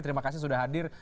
terima kasih sudah hadir